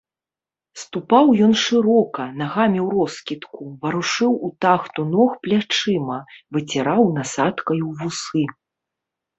Ступаў ён шырока, нагамі ўроскідку, варушыў у тахту ног плячыма, выціраў насаткаю вусы.